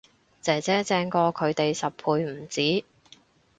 姐姐正過佢哋十倍唔止